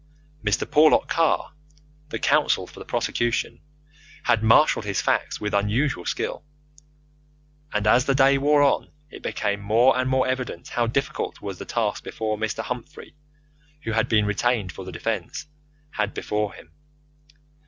Mr. Porlock Carr, the counsel for the prosecution, had marshalled his facts with his usual skill, and as the day wore on, it became more and more evident how difficult was the task which Mr. Humphrey, who had been retained for the defence, had before him.